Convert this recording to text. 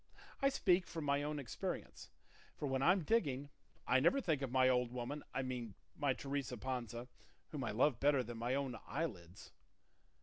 I speak from my own experience; for when I'm digging I never think of my old woman; I mean my Teresa Panza, whom I love better than my own eyelids."